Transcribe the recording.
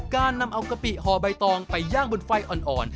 การนำเอากะปิห่อใบตองไปย่างบนไฟอ่อน